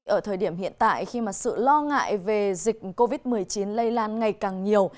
ở thời điểm hiện tại khi mà sự lo ngại về dịch covid một mươi chín lây lan ngày càng nhiều